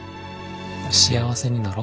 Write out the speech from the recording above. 幸せになろ。